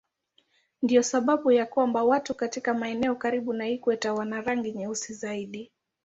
Ndiyo sababu ya kwamba watu katika maeneo karibu na ikweta wana rangi nyeusi zaidi.